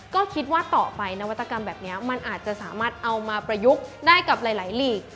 ก็คิดว่าต่อไปนวัตกรรมแบบนี้มันอาจจะสามารถเอามาประยุกต์ได้กับหลายหลีก